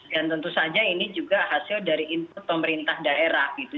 dan tentu saja ini juga hasil dari input pemerintah daerah gitu